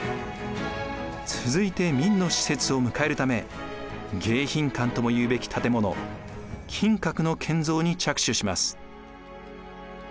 続いて明の使節を迎えるため迎賓館ともいうべき建物金閣の建造に着手します。